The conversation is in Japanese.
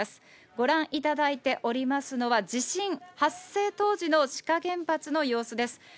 ご覧いただいておりますのは、地震発生当時の志賀原発の様子です。